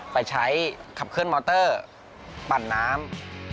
ไปใช้ขับเคลื่อนมอเตอร์ปั่นน้ำ